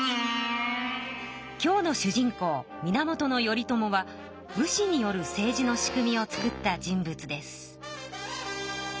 今日の主人公源頼朝は武士による政治の仕組みをつくった人物です。